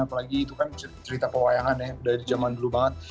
apalagi itu kan cerita pewayangan ya udah di jaman dulu banget